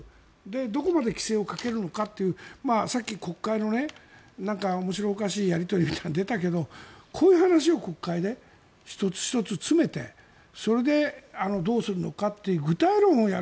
どこまで規制をかけるのかというさっき国会の面白おかしいやり取りが出たけどこういう話を国会で１つ１つ詰めてそれでどうするのかという具体論をやる。